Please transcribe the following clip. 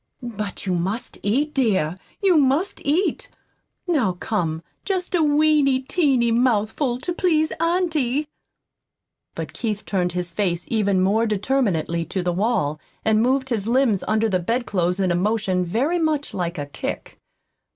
But you must eat, dear, you must eat. Now, come, just a weeny, teeny mouthful to please auntie!" But Keith turned his face even more determinedly to the wall, and moved his limbs under the bed clothes in a motion very much like a kick.